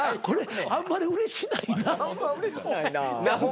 これあんまりうれしないな。